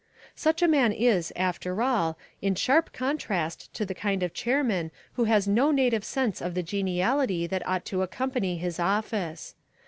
Such a man is, after all, in sharp contrast to the kind of chairman who has no native sense of the geniality that ought to accompany his office.